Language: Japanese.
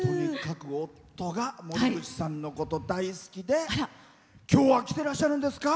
夫が森口さんのことが大好きで今日は来ていらっしゃるんですか？